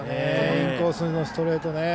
インコースへのストレート。